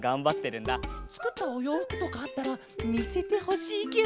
つくったおようふくとかあったらみせてほしいケロ。